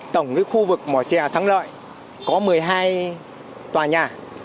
tổng khu vực mò trè và thắng lợi có một mươi hai tòa nhà